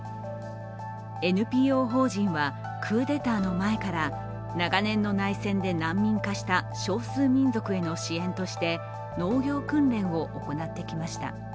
ＮＰＯ法人はクーデターの前から長年の内戦で難民化した少数民族への支援として農業訓練を行ってきました。